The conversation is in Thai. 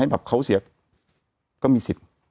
แต่หนูจะเอากับน้องเขามาแต่ว่า